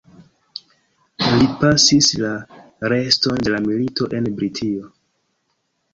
Li pasis la reston de la milito en Britio.